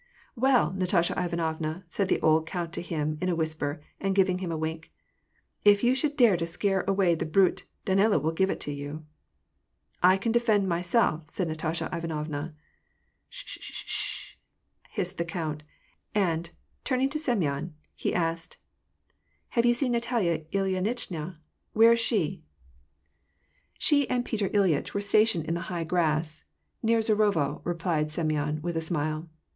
*' Well, Nastasya Ivanovna," said the old count to him in a whisper, and giving him a wink, " if you should dare to scare away the brute, D^ila would give it to you !"'' I can defend myself," said Nastasya Ivanovna. " Sh sh sh sh sh !" hissed the count, and, turning to Sem yon, he asked, " Have you eeen Natalia Ily initchna ?— Where is she ?'' 256 WAR AND PEACE. "She and Piotr llyitch were stationed in the high grass* near Zharovo," replied Semyon, with a smile.